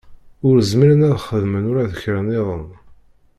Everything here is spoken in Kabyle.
Ur zmiren ad xedmen ula d kra nniḍen.